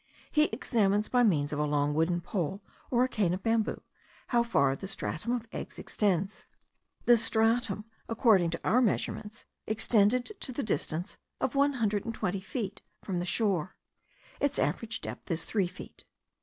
He examines by means of a long wooden pole or a cane of bamboo, how far the stratum of eggs extends. This stratum, according to our measurements, extended to the distance of one hundred and twenty feet from the shore. Its average depth is three feet.